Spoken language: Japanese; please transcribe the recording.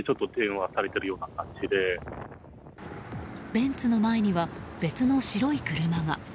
ベンツの前には別の白い車が。